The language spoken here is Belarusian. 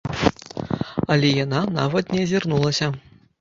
Але яна нават не азірнулася.